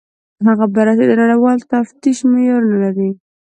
هغه بررسي د نړیوال تفتیش معیارونه لري.